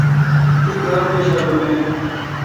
تی کار میشالم اؘ نہ۔